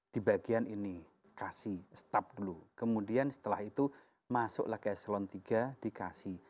di bagian ini kasi staf dulu kemudian setelah itu masuklah ke eselon iii di kasi